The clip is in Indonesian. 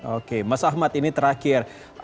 oke mas ahmad ini terakhir